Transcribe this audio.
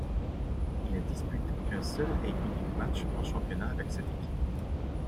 Il ne dispute qu'un seul et unique match en championnat avec cette équipe.